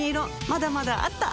まだまだあった！